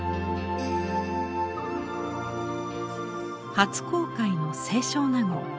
初公開の「清少納言」。